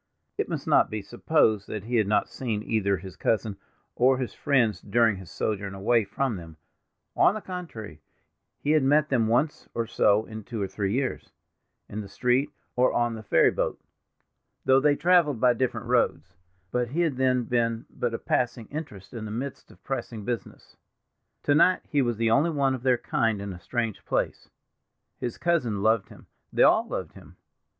It must not be supposed that he had not seen either his cousin or his friends during his sojourn away from them; on the contrary, he had met them once or so in two or three years, in the street, or on the ferry boat—though they traveled by different roads—but he had then been but a passing interest in the midst of pressing business. To night he was the only one of their kind in a strange place—his cousin loved him, they all loved him.